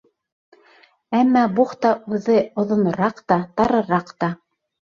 Әммә бухта үҙе оҙонораҡ та, тарыраҡ та.